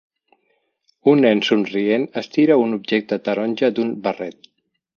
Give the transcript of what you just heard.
Un nen somrient estira un objecte taronja d'un barret